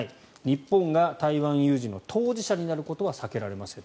日本が台湾有事の当事者になることは避けられません。